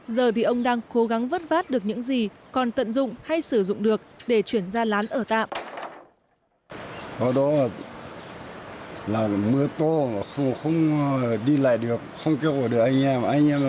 giờ thì ông đang cố gắng vất vát được những gì còn tận dụng hay sử dụng được để chuyển ra lán ở tạm